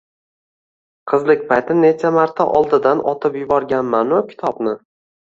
Qizlik payti necha martalab oldidan otib yuborganmanu, kitobni!